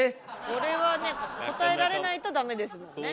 これはね答えられないとダメですもんね。